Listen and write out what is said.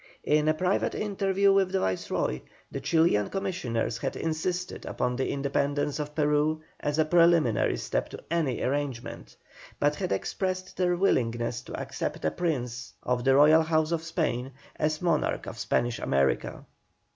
In a private interview with the Viceroy the Chilian commissioners had insisted upon the independence of Peru as a preliminary step to any arrangement, but had expressed their willingness to accept a Prince of the Royal House of Spain as monarch of Spanish America.